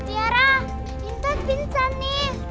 tiara intan pincan nih